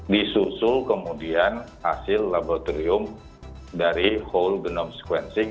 disusul kemudian hasil laboratorium dari whole genome sequencing